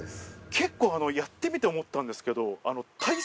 結構やってみて思ったんですけど。